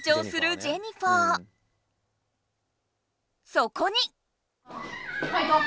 そこに。